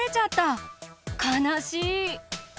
かなしい。